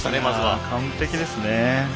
いや完璧ですね。